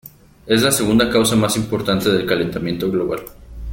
Es la segunda causa más importante del calentamiento global.